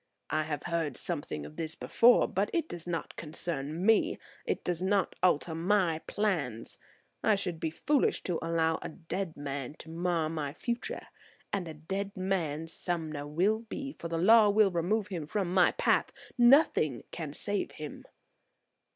"I have heard something of this before; but it does not concern me; it does not alter my plans. I should be foolish to allow a dead man to mar my future; and a dead man Sumner will be, for the law will remove him from my path. Nothing can save him."